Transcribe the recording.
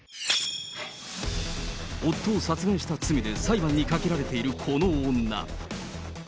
夫を殺害した罪で裁判にかけられているこの女。